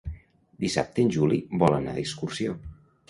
Dissabte en Juli vol anar d'excursió.